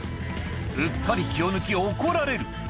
うっかり気を抜き怒られる。